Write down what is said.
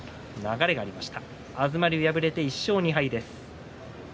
東龍、敗れて１勝２敗です。